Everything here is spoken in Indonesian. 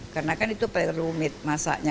karena kan itu paling rumit masaknya